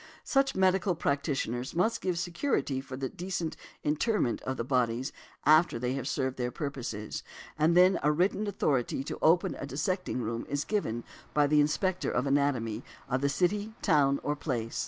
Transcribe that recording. Such medical practitioners must give security for the decent interment of the bodies after they have served their purposes; and then a written authority to open a dissecting room is given by the Inspector of Anatomy of the city, town, or place.